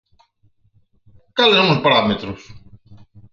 ¿Cales son os parámetros?